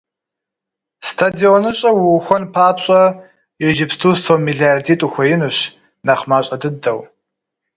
СтадионыщӀэ уухуэн папщӀэ иджыпсту сом мелардитӀ ухуеинущ, нэхъ мащӀэ дыдэу.